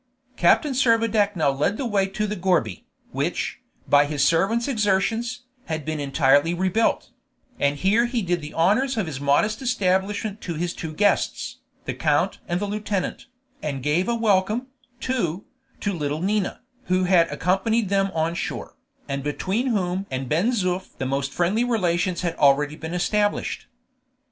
Captain Servadac now led the way to the gourbi, which, by his servant's exertions, had been entirely rebuilt; and here he did the honors of his modest establishment to his two guests, the count and the lieutenant, and gave a welcome, too, to little Nina, who had accompanied them on shore, and between whom and Ben Zoof the most friendly relations had already been established.